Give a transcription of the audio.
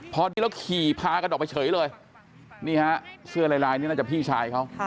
พอดีแล้วขี่พากันออกไปเฉยเลยนี่ฮะเสื้อลายลายนี่น่าจะพี่ชายเขา